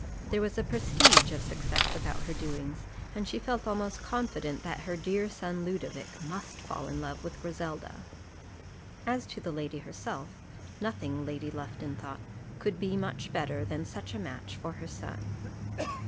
There was a prestige of success about her doings, and she felt almost confident that her dear son Ludovic must fall in love with Griselda. As to the lady herself, nothing, Lady Lufton thought, could be much better than such a match for her son.